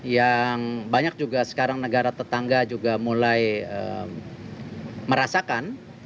yang banyak juga sekarang negara tetangga juga mulai merasakan